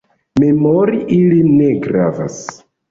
Memori ilin ne gravas.